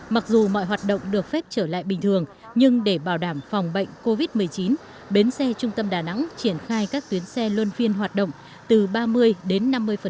mặc dù mọi hoạt động được phép trở lại bình thường nhưng để bảo đảm phòng bệnh covid một mươi chín bến xe trung tâm đà nẵng triển khai các tuyến xe luân phiên hoạt động từ ba mươi đến năm mươi